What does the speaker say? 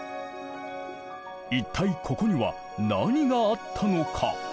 一体ここには何があったのか？